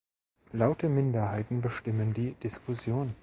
Laute Minderheiten bestimmen die Diskussion.